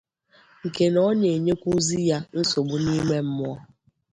nke na ọ na-enyekwuzị ya nsogbu n'ime mmụọ